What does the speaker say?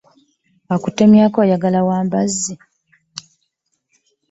Akutemyako ayagala wa mbazzi.